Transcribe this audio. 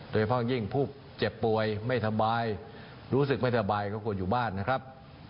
โดยเฉพาะยิ่งผู้เจ็บป่วยไม่สบายรู้สึกไม่สบายก็ควรอยู่บ้านนะครับ